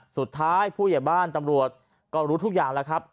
สุดท้ายผู้หญิงบ้านตำรวจก็รู้ทุกอย่างแล้วครับ